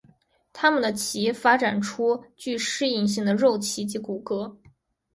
它们的鳍发展出具适应性的肉鳍及骨骼。